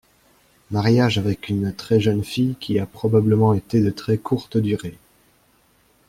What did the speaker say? Mariage avec une très jeune fille qui a probablement été de très courte durée.